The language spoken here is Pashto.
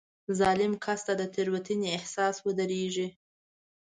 ظالم کس ته د تېروتنې احساس ودرېږي.